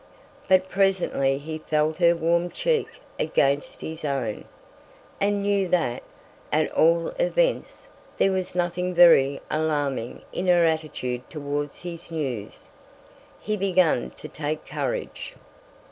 But presently he felt her warm cheek against his own, and knew that, at all events, there was nothing very alarming in her attitude towards his news. He began to take courage.